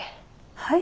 はい？